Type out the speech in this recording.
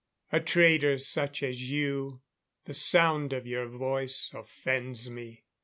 A traitor such as you the sound of your voice offends me."